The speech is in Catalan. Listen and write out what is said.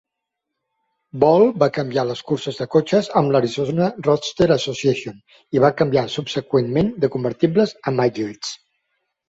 Ball va començar les curses de cotxes amb "Arizona Roadster Association", i va canviar subseqüentment de convertibles a "midgets".